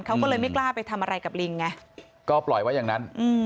เขาก็เลยไม่กล้าไปทำอะไรกับลิงไงก็ปล่อยไว้อย่างนั้น